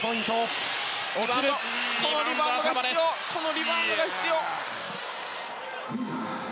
リバウンドが必要。